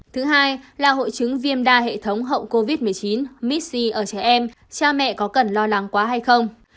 thứ hai là hội chứng viêm đa hệ thống hậu covid một mươi chín myssi ở trẻ em cha mẹ có cần lo lắng quá hay không